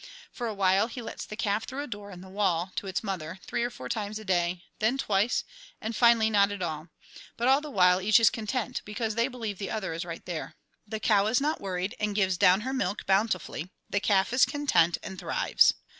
For a while he lets the calf through a door in the wall, to its mother, three or four times a day, then twice, and finally not at all; but all the while each is content, because they believe the other is right there. The cow is not worried, and gives down her milk bountifully; the calf is content and thrives.